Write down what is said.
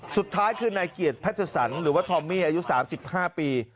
สุดท้ายคือนายเกียรติพัชสันหรือว่าทอมมี่อายุ๓๕ปี